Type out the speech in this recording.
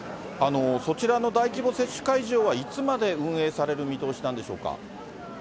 そちらの大規模接種会場は、いつまで運営される見通しなんでしょうか。